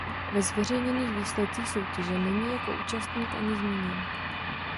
Ve zveřejněných výsledcích soutěže není jako účastník ani zmíněn.